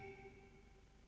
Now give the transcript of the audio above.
jangan terlalu banyak